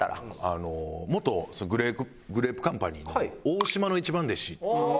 あの元グレークグレープカンパニーの大嶋の一番弟子。